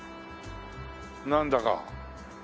なんだか。